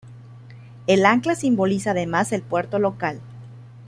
El ancla simboliza además el puerto local.